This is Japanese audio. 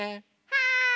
はい。